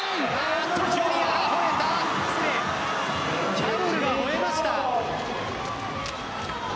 キャロルがほえました。